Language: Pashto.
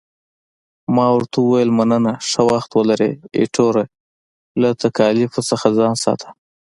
ما ورته وویل، مننه، ښه وخت ولرې، ایټوره، له تکالیفو څخه ځان ساته.